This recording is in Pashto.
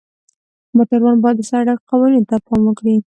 موټروان باید د سړک قوانینو ته پام وکړي.